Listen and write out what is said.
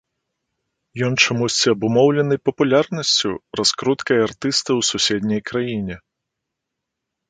Ён чамусьці абумоўлены папулярнасцю, раскруткай артыста ў суседняй краіне.